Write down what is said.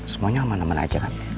semuanya aman aman aja kan